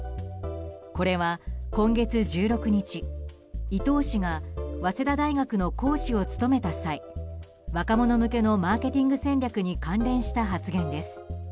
これは今月１６日伊東氏が早稲田大学の講師を務めた際若者向けのマーケティング戦略に関連した発言です。